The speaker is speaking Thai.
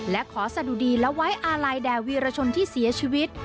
และขอสะดุดีและไว้อาลัยแด่วีรชนที่เสียชีวิต